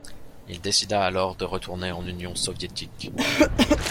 Il décida alors de retourner en Union soviétique.